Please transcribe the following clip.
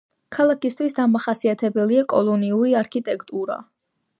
ქალაქისთვის დამახასიათებელია კოლონიური არქიტექტურა.